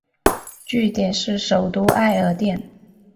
据点是首都艾尔甸。